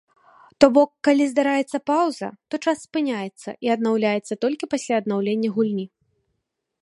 То бок калі здараецца паўза, то час спыняецца і аднаўляецца толькі пасля аднаўлення гульні.